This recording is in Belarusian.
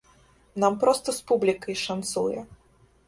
Нам проста з публікай шанцуе.